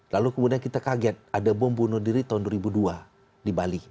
lalu kemudian kita kaget ada bom bunuh diri tahun dua ribu dua di bali